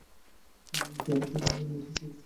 আমি জড়োসড়ো হইয়া মাথা নিচু করিয়া দাঁড়াইলাম।